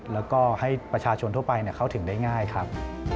แล้วก็ให้ประชาชนทั่วไปเข้าถึงได้ง่ายครับ